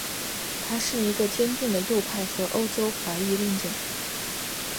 他是一个坚定的右派和欧洲怀疑论者。